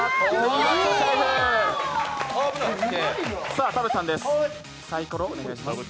さあ田渕さんです。